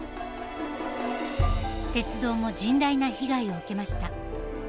鉄道も甚大な被害を受けました。